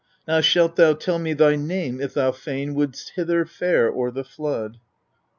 Now shalt thou tell me thy name if thou fain wouldst hither fare o'er the flood. 3.